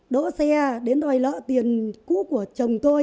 đỗ xe đến đòi nợ tiền cũ của chồng tôi